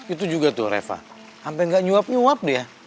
itu juga tuh reva sampe gak nyuap nyuap dia